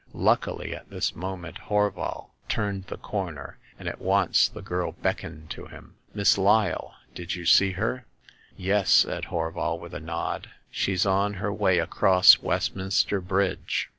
Luckily, at this moment Horval turned the corner, and at once the girl beckoned to him. " Miss Lyle — did you see her ?"Yes," said Horval, with a nod ;she's on her way across Westminster Bridge.''